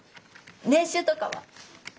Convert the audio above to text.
年収とかは？